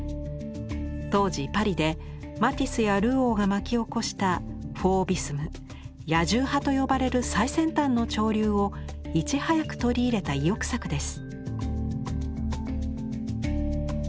当時パリでマティスやルオーが巻き起こした「フォーヴィスム」「野獣派」と呼ばれる最先端の潮流をいち早く取り入れた意欲作です。